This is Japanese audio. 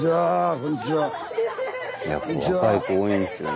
ここ若い子多いんですよね。